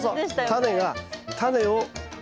タネがタネを。